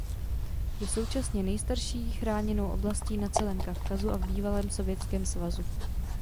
Je současně nejstarší chráněnou oblastí na celém Kavkazu a v bývalém Sovětském svazu.